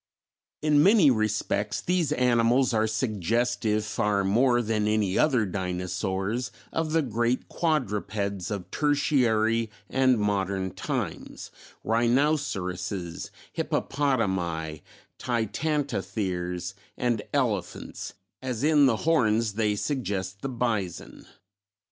In many respects these animals are suggestive far more than any other dinosaurs, of the great quadrupeds of Tertiary and modern times, rhinoceroses, hippopotami, titanotheres and elephants, as in the horns they suggest the bison.